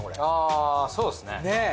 あぁそうですね。